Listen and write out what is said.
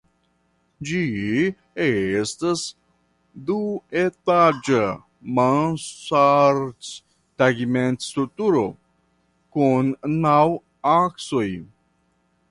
Ĝi estas duetaĝa mansardtegmentostrukturo kun naŭ aksoj.